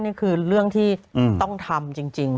นี่คือเรื่องที่ต้องทำจริง